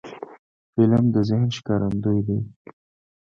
فلم د ذهن ښکارندوی دی